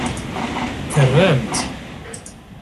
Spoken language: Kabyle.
Terramt.